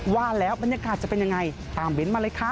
ว่าแล้วบรรยากาศจะเป็นยังไงตามเบ้นมาเลยค่ะ